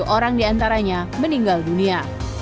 tujuh orang diantaranya meninggal dunia